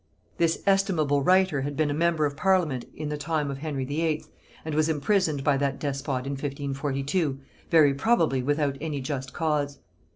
This estimable writer had been a member of parliament in the time of Henry VIII., and was imprisoned by that despot in 1542, very probably without any just cause.